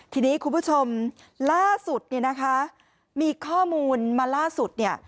ทีนี้คุณผู้ชมล่าสุดมีข้อมูลมาล่าสุด